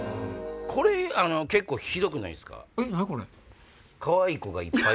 結構ひどくないですか？